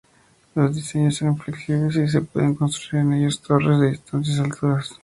Los diseños eran flexibles y se podían construir con ellos torres de distintas alturas.